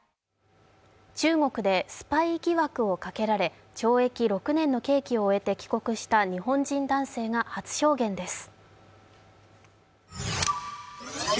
中国でスパイ疑惑をかけられ懲役６年の刑期を終えて帰国した日本人男性が初証言です。